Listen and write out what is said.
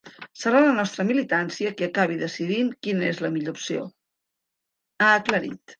Serà la nostra militància qui acabi decidint quina és la millor opció, ha aclarit.